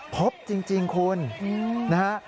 พบจริงคุณนะฮะ